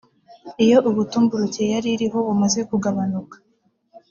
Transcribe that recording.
Iyo ubutumburuke yari iriho bumaze kugabanuka